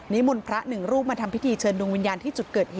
มนต์พระหนึ่งรูปมาทำพิธีเชิญดวงวิญญาณที่จุดเกิดเหตุ